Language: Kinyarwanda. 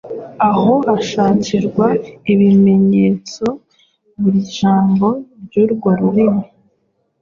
aho hashakirwa ibimenyetso buri jambo ry’urwo rurimi.